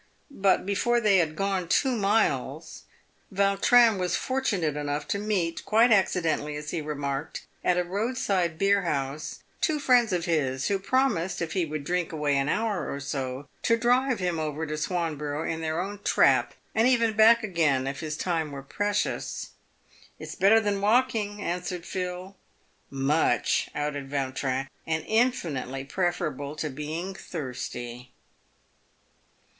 But, before they had gone two miles, Yautrin was fortunate enough to meet — quite accidentally, as he remarked — at a roadside beerhouse, two friends of his, who promised, if he would drink away an hour or so, to drive him over to Swanborough in their own trap, and even back again if his time were precious. " It's better than walking," an swered Phil. " Much," added Vautrin ;" and infinitely preferable to being thirsty."